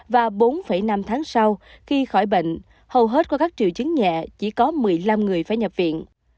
và bốn năm tháng sau khi khỏi bệnh hầu hết có các triệu chứng nhẹ chỉ có một mươi năm người phải nhập viện